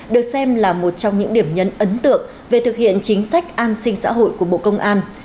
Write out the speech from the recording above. được xem là một trong những điểm nhấn ấn tượng về thực hiện chính sách an sinh xã hội của bộ công an